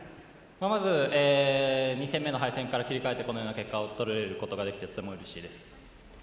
まず、２戦目の敗戦から切り替えてこのような結果をとることができて非常にうれしいです。